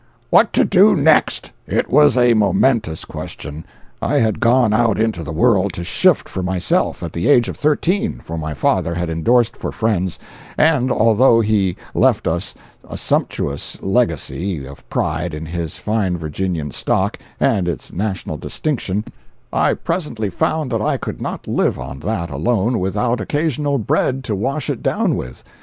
What to do next? It was a momentous question. I had gone out into the world to shift for myself, at the age of thirteen (for my father had endorsed for friends; and although he left us a sumptuous legacy of pride in his fine Virginian stock and its national distinction, I presently found that I could not live on that alone without occasional bread to wash it down with).